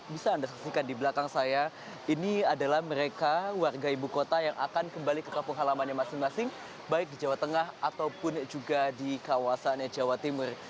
bisa anda saksikan di belakang saya ini adalah mereka warga ibu kota yang akan kembali ke kampung halamannya masing masing baik di jawa tengah ataupun juga di kawasan jawa timur